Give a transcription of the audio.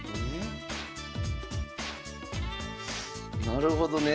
なるほどね。